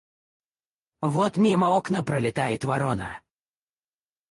Вот мимо окна пролетает ворона.